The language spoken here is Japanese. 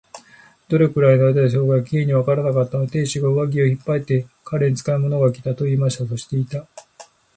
どれくらいのあいだそうしていたのか、Ｋ にはわからなかった。亭主が上衣を引っ張って、彼に使いの者がきた、というまで、そうしていた。